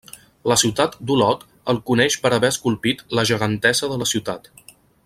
La ciutat d'Olot el coneix per haver esculpit la Gegantessa de la Ciutat.